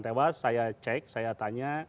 tewas saya cek saya tanya